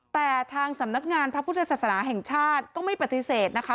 แต่ทางสำนักงานพระพุทธศาสนาแห่งชาติก็ไม่ปฏิเสธนะคะ